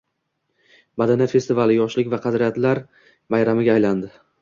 Madaniyat festivali – yoshlik va qadriyatlar bayramiga aylanding